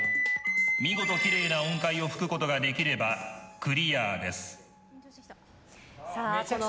見事きれいな音階で吹くことができればクリアです。